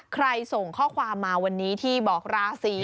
ส่งข้อความมาวันนี้ที่บอกราศี